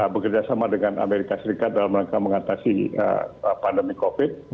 bekerjasama dengan amerika serikat dalam rangka mengatasi pandemi covid